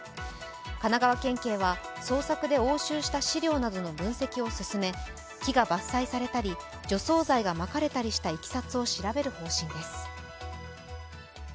神奈川県警は捜索で押収した資料などの分析を進め木が伐採されたり、除草剤がまかれたりしたいきさつを調べる方針です。